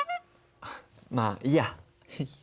まあいいや。